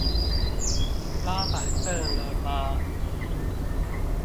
拉板凳了嗎